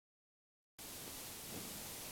serikali inaweza ikaitoa hii tume tena sidhani